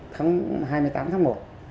tháng hai mươi tám tháng một